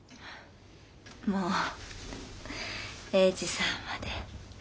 もう英治さんまで。